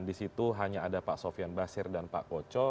di situ hanya ada pak sofian basir dan pak koco